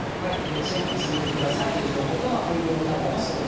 チェーンも積んでおいてくださいっていう情報と、冬用タイヤの装着を。